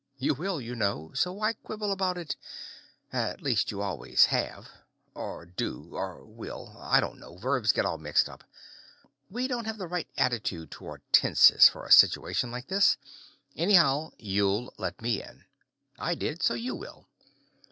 You will, you know, so why quibble about it? At least, you always have ... or do ... or will. I don't know, verbs get all mixed up. We don't have the right attitude toward tenses for a situation like this. Anyhow, you'll let me in. I did, so you will.